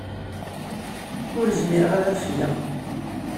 Ur zmireɣ ad afgeɣ.